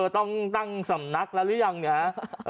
ต้องตั้งสำนักแล้วหรือยังเนี่ย